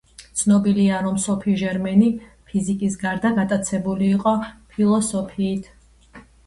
ცნობილია რომ სოფი ჟერმენი ფიზიკის გარდა გატაცებული იყო ფილოსოფიით.